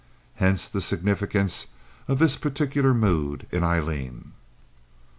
Hence the significance of this particular mood in Aileen.